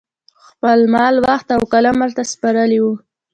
خپل مال، وخت او قلم ورته سپارلي وو